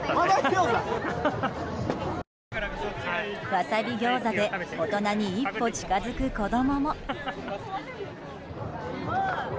ワサビ餃子で大人に一歩近づく子供も。